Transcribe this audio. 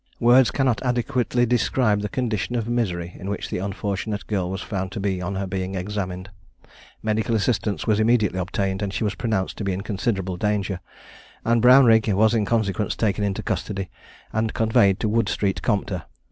Words cannot adequately describe the condition of misery in which the unfortunate girl was found to be on her being examined. Medical assistance was immediately obtained, and she was pronounced to be in considerable danger; and Brownrigg was in consequence taken into custody, and conveyed to Wood street Compter.